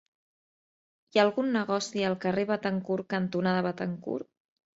Hi ha algun negoci al carrer Béthencourt cantonada Béthencourt?